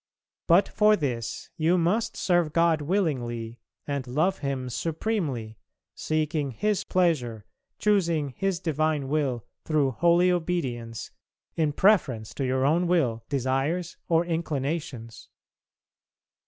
But for this you must serve God willingly and love Him supremely, seeking His pleasure, choosing His divine will through holy obedience in preference to your own will, desires, or inclinations.